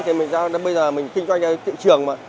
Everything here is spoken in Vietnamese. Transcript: thì bây giờ mình kinh doanh ở thị trường mà